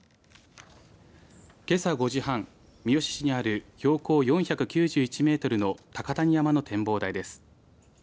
けさ５時半三次市にある標高４９１メートルの高谷山の展望台です。